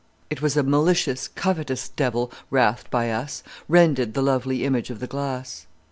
It was a malicious covetous Devil wrathed by us, rended the lovely image of the glass.